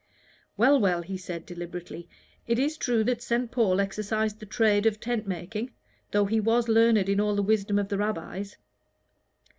"Well, well," he said, deliberately, "it is true that St. Paul exercised the trade of tent making, though he was learned in all the wisdom of the Rabbis."